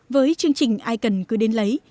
với chương trình ai cần cứ đến lấy